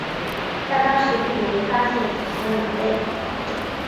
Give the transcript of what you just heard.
但当时并没发现死亡的鸟类。